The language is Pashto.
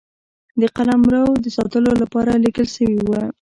د قلمرو د ساتلو لپاره لېږل سوي وه.